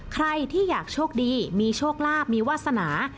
ใครที่อยากโชคดีมีโชคลาภมีวาสนา